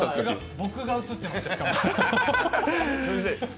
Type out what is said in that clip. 僕が映ってました、しかも。